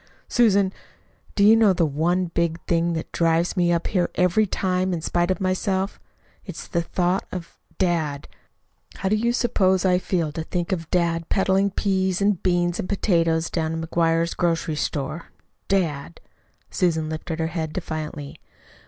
"Susan, do you know the one big thing that drives me up here every time, in spite of myself? It's the thought of dad. How do you suppose I feel to think of dad peddling peas and beans and potatoes down to McGuire's grocery store? dad!" Susan lifted her head defiantly.